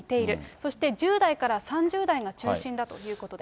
そして、１０代から３０代が中心だということです。